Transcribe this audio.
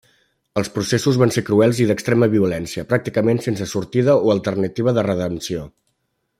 Els processos van ser cruels i d'extrema violència, pràcticament sense sortida o alternativa de redempció.